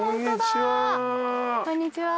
こんにちは。